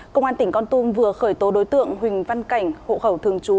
công an tỉnh con tum vừa khởi tố đối tượng huỳnh văn cảnh hộ khẩu thường trú